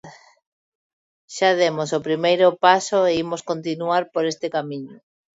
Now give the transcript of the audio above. Xa demos o primeiro paso e imos continuar por este camiño.